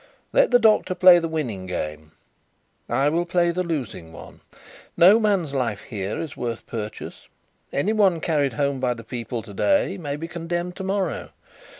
Let the Doctor play the winning game; I will play the losing one. No man's life here is worth purchase. Any one carried home by the people to day, may be condemned tomorrow.